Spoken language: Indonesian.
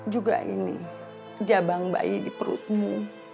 juga ini jabang bayi di perutmu